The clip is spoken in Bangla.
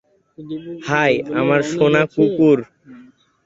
হাই, আমার সোনা কুকুর।